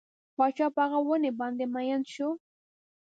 پاچا په هغه ونې باندې مین شو.